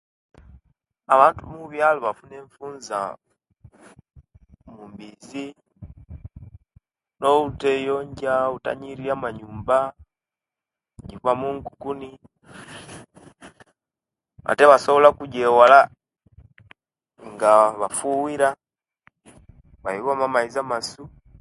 Abantu mubyalo bafuna empuza mu mbizi no buteyonja obutakunyiria amanyumba jibamu emunkukuni ate basobola okujewala nga bafuwira bayuwamu amaizi amasu